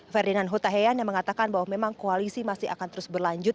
ferdinand huta heyan yang mengatakan bahwa memang koalisi masih akan terus berlanjut